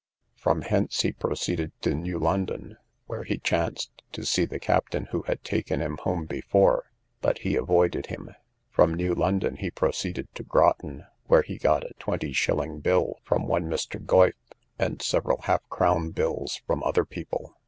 From hence he proceeded to New London, where he chanced to see the captain who had taken him home before, but he avoided him. From New London he proceeded to Groten, where he got a twenty shilling bill from one Mr. Goyf, and several half crown bills from other people.